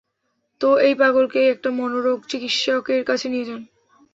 তো, এই পাগলকে একটা মনোরোগ চিকিৎসকের কাছে নিয়ে যান।